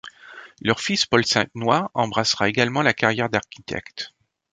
Leur fils, Paul Saintenoy, embrassera également la carrière d'architecte.